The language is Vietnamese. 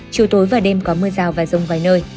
chiều tối và đêm có mưa rào và rông vài nơi